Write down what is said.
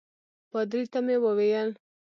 پادري ته مې وویل.